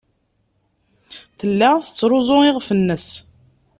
Tella tettruẓu iɣef-nnes.